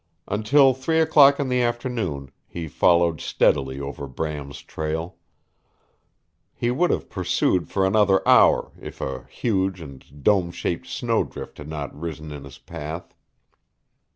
Until three o'clock in the afternoon he followed steadily over Bram's trail. He would have pursued for another hour if a huge and dome shaped snowdrift had not risen in his path.